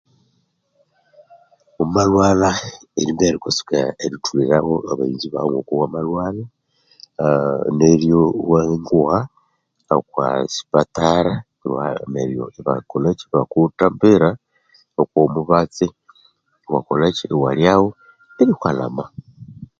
Wamalhwalha, erimbere uka tsuka erithulira aboku a abaghenzi bawu ngoku wama lhwalha, aa neryo iwanguha okwa sipatara iwa neryo iba kolhaki? Ibakuthambira ibakuha omubatsi iwa kolhaki? Iwalhyagho theni wukalhama.